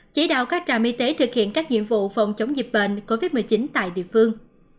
chỉ đạo các trạm y tế thực hiện các nhiệm vụ phòng chống dịch bệnh covid một mươi chín tại địa phương